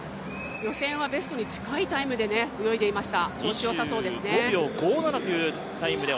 予選はベストに近いタイムで泳いでいました。